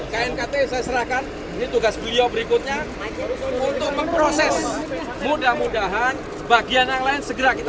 knkt saya serahkan ini tugas beliau berikutnya untuk memproses mudah mudahan bagian yang lain